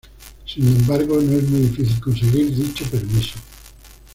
Sin embargo, no es muy difícil conseguir dicho permiso.